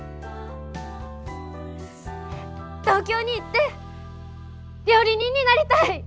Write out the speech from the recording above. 東京に行って料理人になりたい。